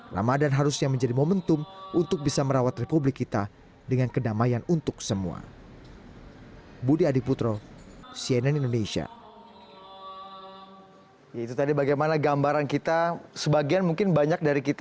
ramadan harusnya menjadi momentum untuk bisa merawat republik kita dengan kedamaian untuk semua